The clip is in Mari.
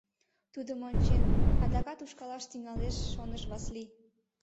Тудым ончен, адакат ушкалаш тӱҥалеш, шоныш Васлий.